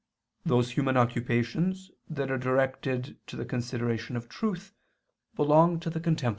Those human occupations that are directed to the consideration of truth belong to the contemplative life.